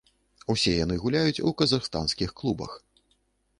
Усе яны гуляюць у казахстанскіх клубах.